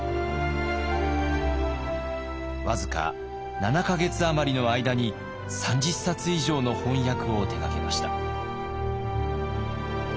僅か７か月余りの間に３０冊以上の翻訳を手がけました。